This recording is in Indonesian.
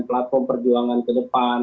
platform perjuangan ke depan